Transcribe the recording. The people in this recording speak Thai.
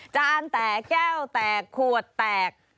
จานแตกแก้วแตกขวดแตก